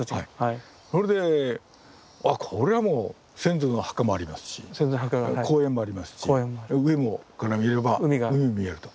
それでこれはもう先祖の墓もありますし公園もありますし上から見れば海も見えると。